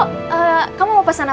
kamu mau pesan apa biar aku pesenin ya